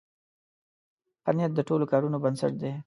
ښه نیت د ټولو کارونو بنسټ دی.